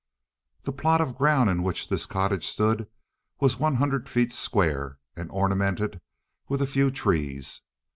The plot of ground in which this cottage stood was one hundred feet square and ornamented with a few trees.